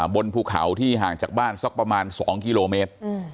บนภูเขาที่ห่างจากบ้านสักประมาณ๒กิโลเมตร